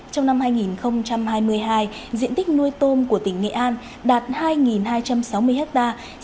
trong năm hai nghìn hai mươi hai diện tích nuôi tôm của tỉnh nghệ an đạt hai hai trăm sáu mươi hectare